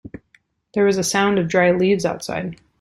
There was a sound of dry leaves outside.